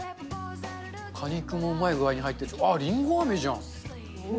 果肉もうまい具合に入ってて、あっ、りんごあめじゃん。